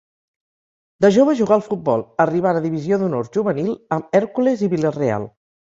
De jove jugà al futbol, arribant a Divisió d'Honor juvenil amb Hèrcules i Vila-real.